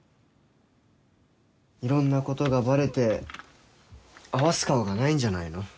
いろんなことがバレて合わす顔がないんじゃないの？